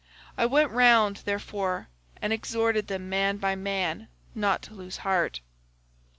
I went round, therefore, and exhorted them man by man not to lose heart.